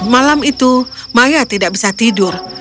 malam itu maya tidak bisa tidur